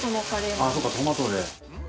ああそっかトマトで。